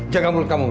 jangan mulut kamu